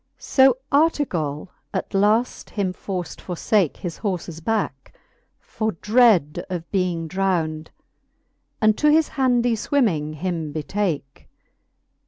XVI. So Artegall at length him forft forfake His horfes backe, for dread of being drownd. And to his handy fwimming him betake.